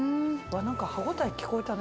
何か歯応え聞こえたね。